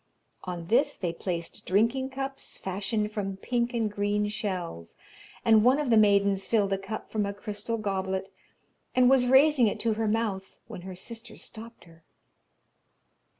On this they placed drinking cups fashioned from pink and green shells, and one of the maidens filled a cup from a crystal goblet, and was raising it to her mouth, when her sister stopped her.